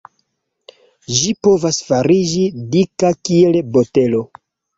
Ĝi povas fariĝi dika kiel botelo.